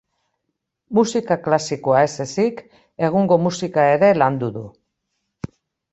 Musika klasikoa ez ezik, egungo musika ere landu du.